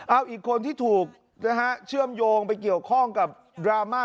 เอาอีกคนที่ถูกนะฮะเชื่อมโยงไปเกี่ยวข้องกับดราม่า